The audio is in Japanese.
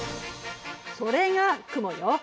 それが雲よ。